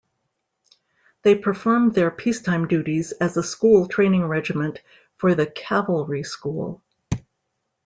They performed their peacetime duties as a school training regiment for the Cavalry School.